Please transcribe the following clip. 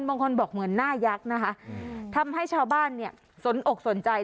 บางคนบอกเหมือนหน้ายักษ์นะคะทำให้ชาวบ้านเนี่ยสนอกสนใจ